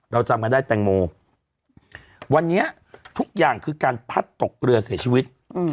จำกันได้แตงโมวันนี้ทุกอย่างคือการพัดตกเรือเสียชีวิต